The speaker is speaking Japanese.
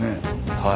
はい。